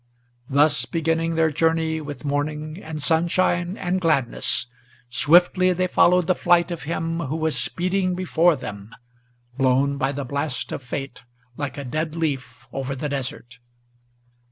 Thus beginning their journey with morning, and sunshine, and gladness, Swiftly they followed the flight of him who was speeding before them, Blown by the blast of fate like a dead leaf over the desert.